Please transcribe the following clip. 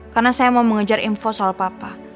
karena saya mau mengejar info soal papa